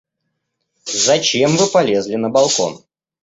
Зачем вы полезли на балкон?